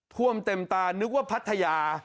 ท่วมเต็มตานึกว่าพัทยา